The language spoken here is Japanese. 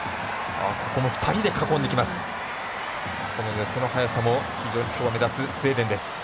寄せの早さも非常に今日は目立つスウェーデンです。